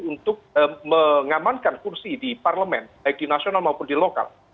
untuk mengamankan kursi di parlemen baik di nasional maupun di lokal